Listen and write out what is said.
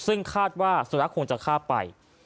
ซึ่งคาดว่าสุนัขคงจะฆ่าไป